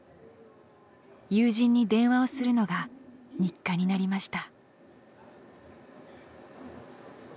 友人に電話をするのが日課になりました。